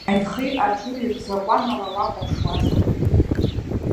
Аихеи аџыри рзакәан ала уахәаԥшуазар.